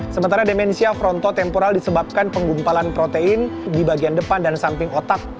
sementara dimensia frontotemporal disebabkan penggumpalan protein di bagian depan dan samping otak